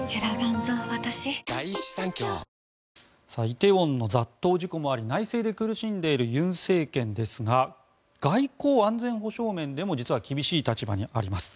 梨泰院の雑踏事故もあり内政で苦しんでいる尹政権ですが外交・安全保障面でも実は厳しい立場にあります。